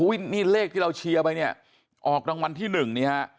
อุ๊ยนี่เลขที่เราเชียร์ไปเนี่ยออกรางวัลที่หนึ่งเนี่ย